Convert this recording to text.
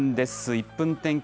１分天気。